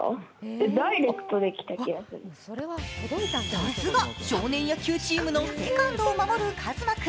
さすが少年野球チームのセカンドを守る和真君。